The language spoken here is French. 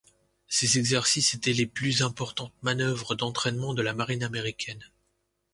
Ces exercices étaient les plus importantes manœuvres d'entraînement de la marine américaine.